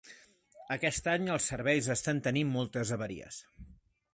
Aquest any els serveis estan tenint moltes avaries.